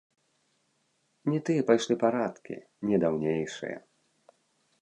Не тыя пайшлі парадкі, не даўнейшыя.